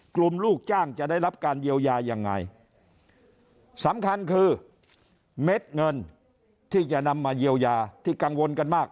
ลูกจ้างจะได้รับการเยียวยายังไงสำคัญคือเม็ดเงินที่จะนำมาเยียวยาที่กังวลกันมาก